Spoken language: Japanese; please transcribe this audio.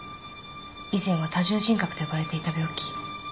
以前は多重人格と呼ばれていた病気。